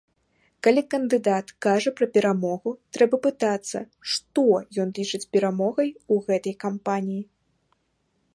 Калі кандыдат кажа пра перамогу, трэба пытацца, што ён лічыць перамогай у гэтай кампаніі.